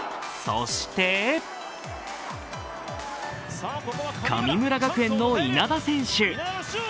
そして神村学園の稲田選手。